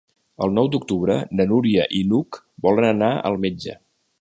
El nou d'octubre na Núria i n'Hug volen anar al metge.